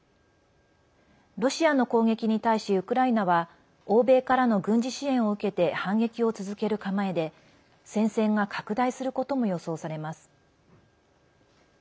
ロシアの攻撃に対しウクライナは欧米からの軍事支援を受けて反撃を続ける構えで戦線が拡大することも予想されます。